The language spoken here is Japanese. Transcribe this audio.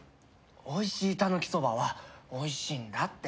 おいしいたぬきそばはおいしいんだって。